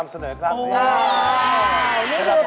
มีอะไรบ้างคะพี่ออน